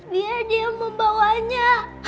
biar dia membawanya